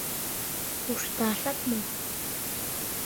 Пушташак мо?..